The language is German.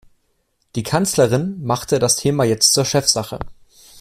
Die Kanzlerin machte das Thema jetzt zur Chefsache.